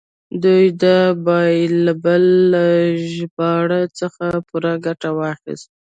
دوی د بایبل له ژباړو څخه پوره ګټه واخیسته.